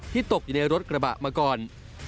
ตกอยู่ในรถกระบะมาก่อน